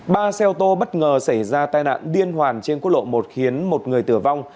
ba xe ô tô bất ngờ xảy ra tai nạn điên hoàn trên quốc lộ một khiến một người tử vong